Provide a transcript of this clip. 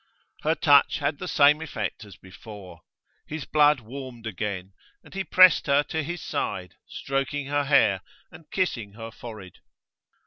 Her touch had the same effect as before. His blood warmed again, and he pressed her to his side, stroking her hair and kissing her forehead.